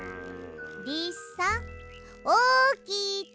リスさんおきて！